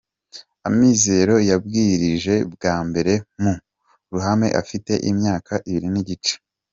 Amizero yabwirije bwa mbere mu ruhame afite imyaka ibiri n’igice.